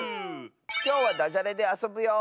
きょうはだじゃれであそぶよ。